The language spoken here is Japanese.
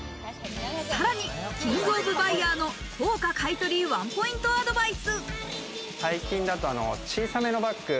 さらにキング・オブ・バイヤーの高価買取ワンポイントアドバイス。